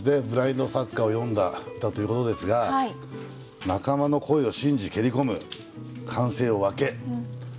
ブラインドサッカーを詠んだ歌ということですが「仲間の声信じ蹴り込む歓声よ湧け」。